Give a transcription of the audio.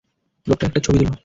লোকটার একটা ছবি তুলো।